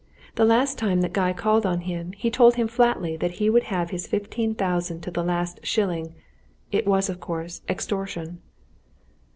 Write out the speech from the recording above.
The last time that Guy called on him, he told him flatly that he would have his fifteen thousand to the last shilling. It was, of course, extortion!"